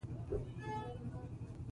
یو کتاب لیکلی دی اجماع موضوعات راوپېژني